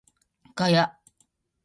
ガヤ